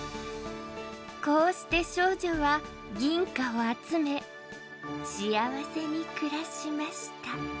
こうして少女は銀貨を集め幸せに暮らしました。